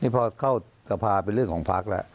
พอเข้าสภาเป็นเรื่องของพักแล้ว